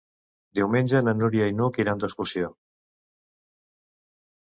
Diumenge na Núria i n'Hug iran d'excursió.